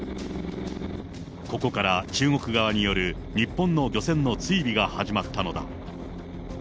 ここから中国側による、日本の漁船の追尾が始まったのだ。